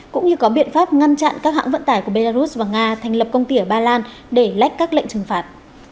cũng như có biện pháp ngăn chặn các hãng vận tải của belarus và nga thành lập công ty ở ba lan để lách các lệnh trừng phạt